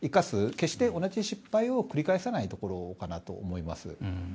決して同じ失敗を繰り返さないところかなと思います。